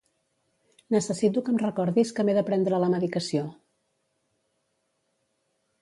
Necessito que em recordis que m'he de prendre la medicació.